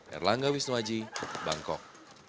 erlangga wisnuaji bangkok